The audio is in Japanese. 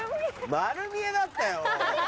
丸見えだったよ。